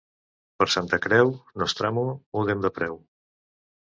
Per Santa Creu, nostramo, mudem de preu.